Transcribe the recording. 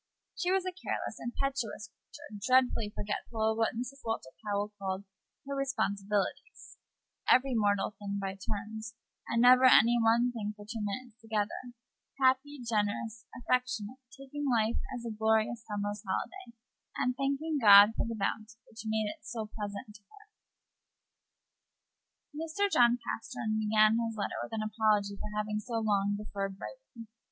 She was a careless, impetuous creature, dreadfully forgetful of what Mrs. Walter Powell called her "responsibilities;" every mortal thing by turns, and never any one thing for two minutes together; happy, generous, affectionate; taking life as a glorious summer's holiday, and thanking God for the bounty which made it so pleasant to her. Mr. John Pastern began his letter with an apology for having so long deferred writing.